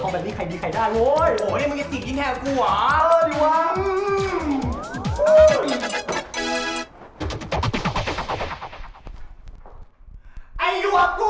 ไม่ไหวแล้วเว้ย